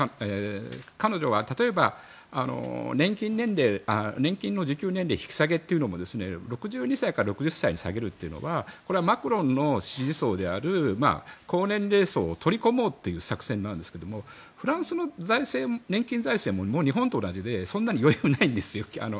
彼女は例えば、年金の受給年齢引き下げというのも６２歳から６０歳に下げるというのはこれはマクロンの支持層である高年齢層を取り込もうという作戦なんですけれどフランスの年金財政ももう日本と同じでそんなに余裕はないんです。